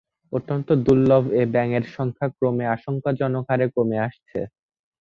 অত্যন্ত দুর্লভ এ ব্যাঙের সংখ্যা ক্রমে আশঙ্কাজনক হারে কমে আসছে।